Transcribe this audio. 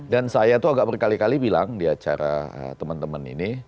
dan saya tuh agak berkali kali bilang di acara temen temen ini